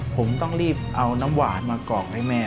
ผมต้องรีบเอาน้ำหวานมากรอกให้แม่